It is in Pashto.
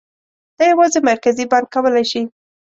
دا یوازې مرکزي بانک کولای شي.